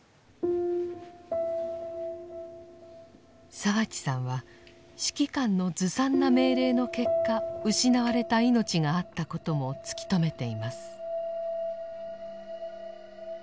澤地さんは指揮官のずさんな命令の結果失われた命があったことも突き止めています。